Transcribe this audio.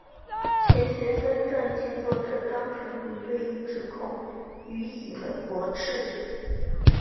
钱学森传记作者张纯如对这一指控予以了驳斥。